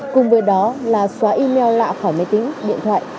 cùng với đó là xóa email lạ khỏi máy tính điện thoại ngay lập tức